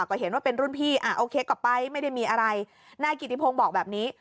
ก็เห็นว่าเป็นรุ่นพี่อ่ะโอเคกลับไปไม่ได้มีอะไรนายกิติพงศ์บอกแบบนี้